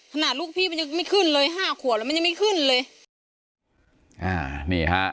ถนาดลูกพี่มันยังไม่ขึ้นเลย๕ขวบมันยังไม่ขึ้นเลย